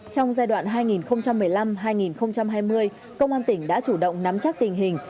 trong giai đoạn hai nghìn một mươi năm hai nghìn hai mươi công an tỉnh đã chủ động nắm chắc tình hình